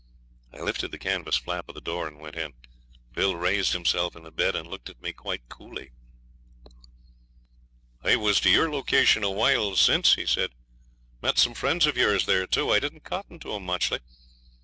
I lifted the canvas flap of the door and went in. Bill raised himself in the bed and looked at me quite coolly. 'I was to your location a while since,' he said. 'Met some friends of yours there too. I didn't cotton to 'em muchly.